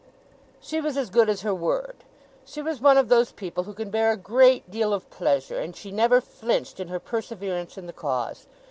She was as good as her word. She was one of those people who can bear a great deal of pleasure, and she never flinched in her perseverance in the cause.